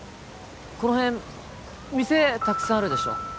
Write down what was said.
この辺店たくさんあるでしょ